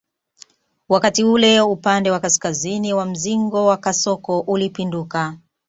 Wakati ule upande wa kaskazini wa mzingo wa kasoko ulipinduka